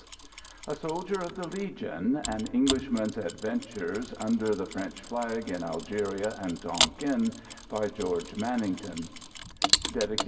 _] A SOLDIER OF THE LEGION AN ENGLISHMAN'S ADVENTURES UNDER THE FRENCH FLAG IN ALGERIA AND TONQUIN BY GEORGE MANINGTON EDITED BY WILLIAM B.